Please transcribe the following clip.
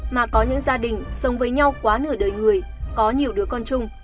mà có những gia đình sống với nhau quá nửa đời người có nhiều đứa con chung